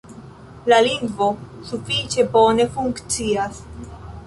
La lingvo sufiĉe bone funkcias.